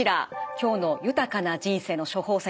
今日の豊かな人生の処方せんでした。